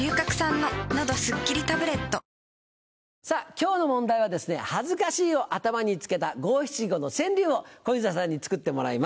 今日の問題は「恥ずかしい」を頭に付けた五・七・五の川柳を小遊三さんに作ってもらいます。